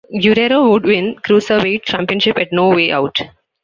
Guerrero would win the Cruiserweight Championship at No Way Out.